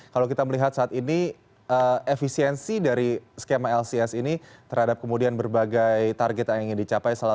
kalau kita melihat saat ini efisiensi dari skema lcs ini terhadap kemudian berbagai target yang ingin dicapai